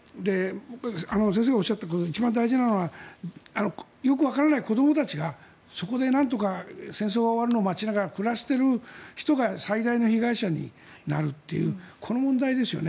先生がおっしゃったことで一番大事なのはよくわからない子どもたちがそこでなんとか戦争が終わるのを待ちながら暮らしている人が最大の被害者になるというこの問題ですよね。